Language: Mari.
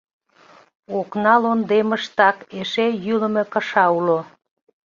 Окналондемыштак эше йӱлымӧ кыша уло.